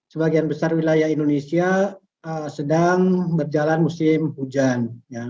sebagian besar wilayah indonesia sedang berjalan musim hujan